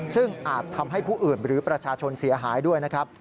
ซึ่งอาจทำให้ผู้อื่นหรือประชาชนเสียหายด้วยนะครับ